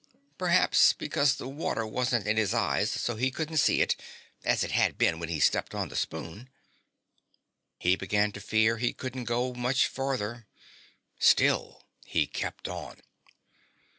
Perhaps because the water wasn't in his eyes so he couldn't see, as it had been when he stepped on the spoon. He began to fear he couldn't go much farther. Still he kept on.